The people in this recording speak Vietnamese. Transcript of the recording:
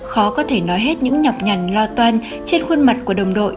khó có thể nói hết những nhọc nhằn lo toan trên khuôn mặt của đồng đội